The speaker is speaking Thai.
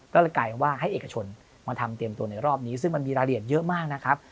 ก็เลยกลายเป็นว่าให้เอกชนมาทำเตรียมตัวในรอบนี้ซึ่งมันมีรายละเอียดเยอะมากนะครับ